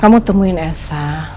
kamu temuin elsa